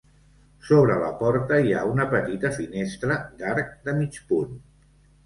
Sobre la porta hi ha una petita finestra d'arc de mig punt.